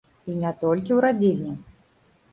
І не толькі ў радзільні.